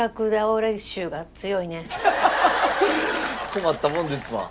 困ったもんですわ。